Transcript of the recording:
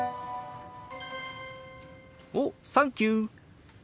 「おサンキュー」。